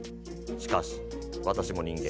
しかし私も人間。